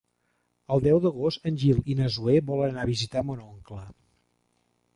El deu d'agost en Gil i na Zoè volen anar a visitar mon oncle.